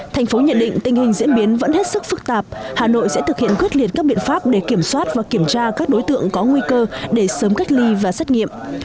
thành phố nhận định tình hình diễn biến vẫn hết sức phức tạp hà nội sẽ thực hiện quyết liệt các biện pháp để kiểm soát và kiểm tra các đối tượng có nguy cơ để sớm cách ly và xét nghiệm